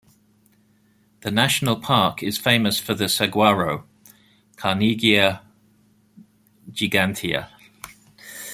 The National Park is famous for the Saguaro, "Carnegiea gigantea".